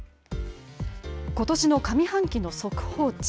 ことしの上半期の速報値。